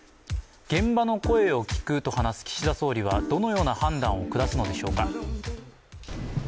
現場の声を聞くと話す岸田総理はどのような判断を下すのでしょうか。